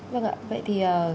vâng ạ vậy thì